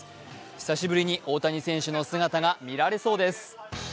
久しぶりに大谷選手の姿が見られそうです。